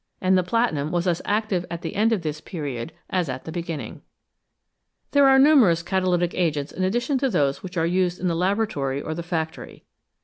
And the platinum was as active at the end of this period as at the beginning ! There are numerous catalytic agents in addition to those which are used in the laboratory or the factory.